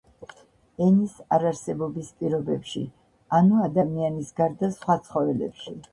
ენის არარსებობის პირობებში, ანუ ადამიანის გარდა სხვა ცხოველებში.